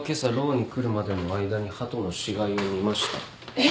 えっ？